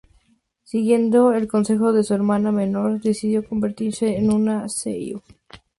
Siguiendo el consejo de su hermana menor, decidió convertirse en una seiyū.